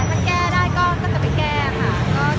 ไปทำยังไงบ้าง